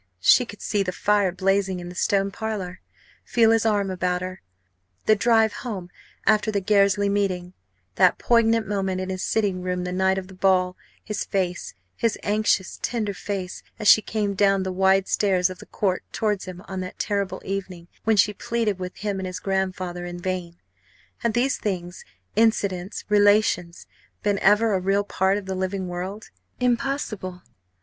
she could see the fire blazing in the Stone Parlour, feel his arm about her! the drive home after the Gairsley meeting that poignant moment in his sitting room the night of the ball his face, his anxious, tender face, as she came down the wide stairs of the Court towards him on that terrible evening when she pleaded with him and his grandfather in vain: had these things, incidents, relations, been ever a real part of the living world? Impossible!